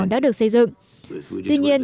đã được xây dựng tuy nhiên